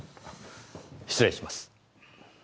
失礼します。